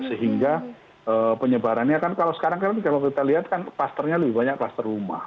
sehingga penyebarannya kan kalau sekarang kalau kita lihat kan klasternya lebih banyak klaster rumah